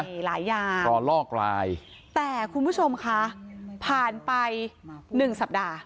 มีหลายอย่างรอลอกไลน์แต่คุณผู้ชมคะผ่านไปหนึ่งสัปดาห์